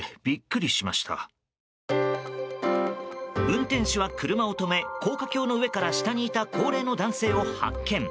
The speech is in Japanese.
運転手は車を止め高架橋の上から下にいた高齢の男性を発見。